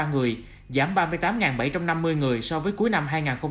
giảm ba mươi tám bảy trăm năm mươi người so với cuối năm hai nghìn hai mươi hai